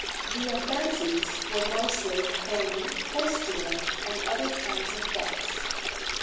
The offences were mostly coining, horse stealing, and other kinds of thefts.